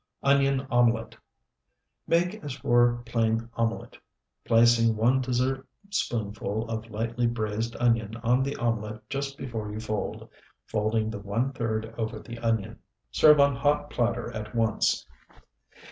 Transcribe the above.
ONION OMELET Make as for plain omelet, placing one dessertspoonful of lightly braized onion on the omelet just before you fold, folding the one third over the onion. Serve on hot platter at once.